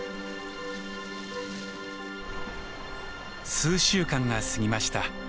数週間が過ぎました。